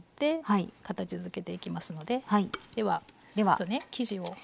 ちょっとね生地をつけて。